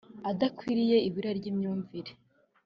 adakwiye ibura ry imyumvire